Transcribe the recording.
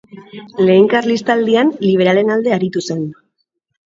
Lehen Karlistaldian liberalen alde aritu zen.